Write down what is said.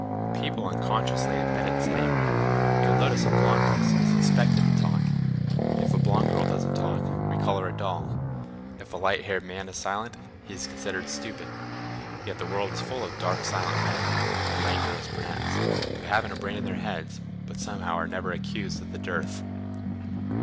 "People unconsciously admit it," said Amory. "You'll notice a blond person is expected to talk. If a blond girl doesn't talk we call her a 'doll'; if a light haired man is silent he's considered stupid. Yet the world is full of 'dark silent men' and 'languorous brunettes' who haven't a brain in their heads, but somehow are never accused of the dearth."